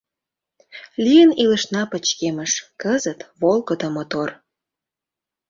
Лийын илышна пычкемыш, Кызыт — волгыдо, мотор.